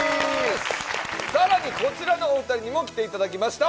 更にこちらのお二人にも来ていただきました。